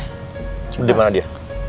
sebelumnya dimana dia